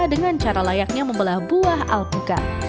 dengan cara layaknya membelah buah alpukat